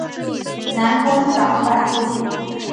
南宫长万之弟。